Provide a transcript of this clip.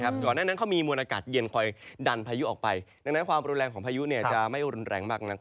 ก่อนหน้านั้นเขามีมวลอากาศเย็นคอยดันพายุออกไปดังนั้นความรุนแรงของพายุจะไม่รุนแรงมากนัก